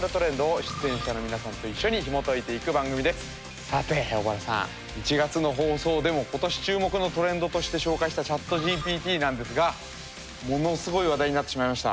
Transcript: この番組はさて尾原さん１月の放送でも今年注目のトレンドとして紹介したＣｈａｔＧＰＴなんですがものすごい話題になってしまいました。